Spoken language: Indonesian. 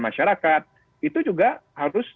masyarakat itu juga harus